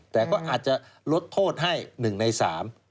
แต่ก็อาจจะลดโทษให้หนึ่งในสาม